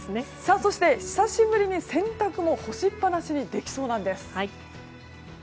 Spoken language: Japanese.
そして、久しぶりに洗濯も干しっぱなしにできそうなんです。